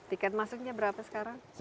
tiket masuknya berapa sekarang